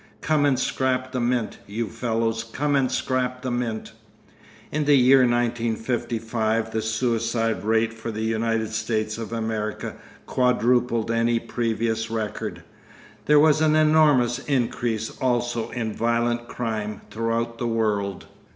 Come and scrap the mint, you fellows, come and scrap the mint!' In the year 1955 the suicide rate for the United States of America quadrupled any previous record. There was an enormous increase also in violent crime throughout the world.